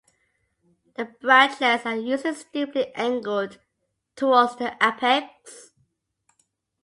The branchlets are usually steeply angled towards the apex.